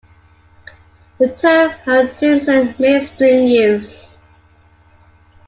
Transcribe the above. The term has since seen mainstream use.